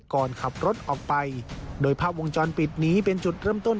ก่อนขับรถออกไปโดยภาพวงจรปิดนี้เป็นจุดเริ่มต้น